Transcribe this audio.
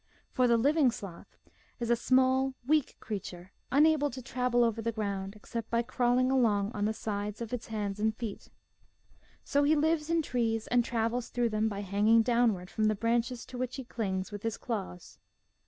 For the living sloth is a small, weak creature, unable to travel over the ground except by crawling along on the sides of his hands and feet. So he lives in trees and travels through them by hanging down ward from the branches to which he clings with his claws.